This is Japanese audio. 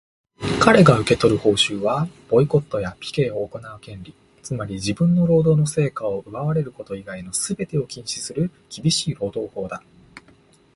かれが受け取る報酬は、ボイコットやピケを行う権利、つまり自分の労働の成果を奪われること以外のすべてを禁止する厳しい労働法だ。